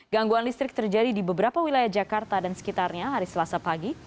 gangguan listrik terjadi di beberapa wilayah jakarta dan sekitarnya hari selasa pagi